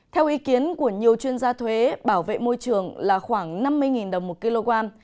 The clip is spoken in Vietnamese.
theo ý kiến của nhiều chuyên gia thuế bảo vệ môi trường là khoảng năm mươi đồng một kg